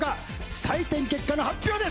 採点結果の発表です！